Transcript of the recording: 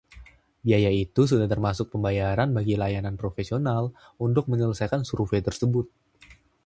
Biaya itu sudah termasuk pembayaran bagi layanan profesional untuk menyelesaikan survei tersebut.